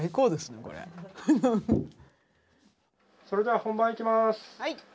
それでは本番いきます。